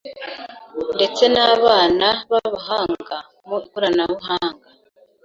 Ndetse n’abana b’abahanga mu ikoranabuhanga